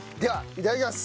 いただきます。